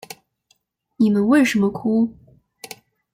你们为什么哭？